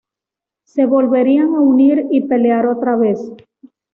Se volverían a unir y pelear otra vez.